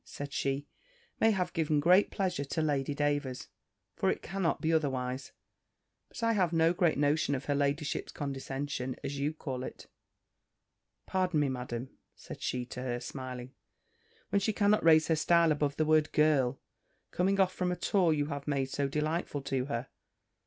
said she, "may have given great pleasure to Lady Davers, for it cannot be otherwise But I have no great notion of her ladyship's condescension, as you call it (pardon me, Madam," said she to her, smiling) "when she cannot raise her style above the word girl, coming off from a tour you have made so delightful to her."